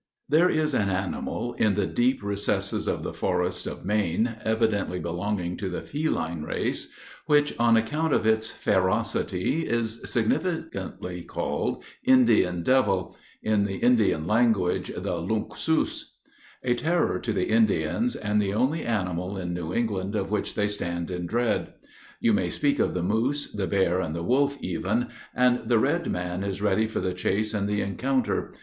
There is an animal in the deep recesses of the forests of Maine, evidently belonging to the feline race, which, on account of its ferocity, is significantly called "Indian Devil" in the Indian language, "the Lunk Soos;" a terror to the Indians, and the only animal in New England of which they stand in dread. You may speak of the moose, the bear, and the wolf even, and the red man is ready for the chase and the encounter.